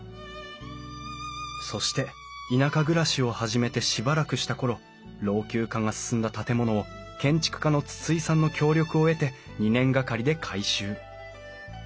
そして田舎暮らしを始めてしばらくした頃老朽化が進んだ建物を建築家の筒井さんの協力を得て２年がかりで改修。